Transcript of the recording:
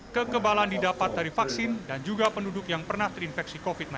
kekebalan didapat dari vaksin dan juga penduduk yang pernah terinfeksi covid sembilan belas